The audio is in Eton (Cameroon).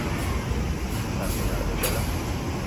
Ote kate minal bebela.